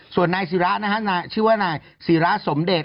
ส่วนนายสีระชื่อว่านายสีระสมเด็จ